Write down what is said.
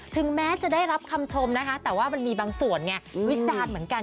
ถึงแม้จะได้รับคำชมนะคะแต่ว่ามันมีบางส่วนไงวิจารณ์เหมือนกัน